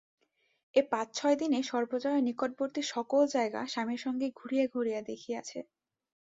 এ পাঁচ ছয় দিনে সর্বজয়া নিকটবর্তী সকল জায়গা স্বামীর সঙ্গে ঘুরিয়া ঘুরিয়া দেখিয়াছে।